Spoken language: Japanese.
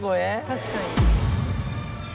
確かに。